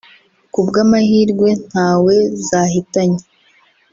kubw’amahirwe ntawe zahitanye